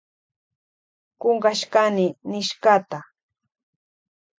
Kunkashkani nishkata.